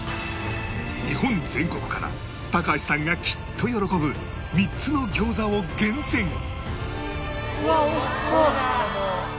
日本全国から高橋さんがきっと喜ぶ３つの餃子を厳選！